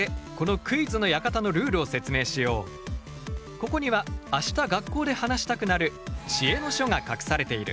ここには明日学校で話したくなる知恵の書が隠されている。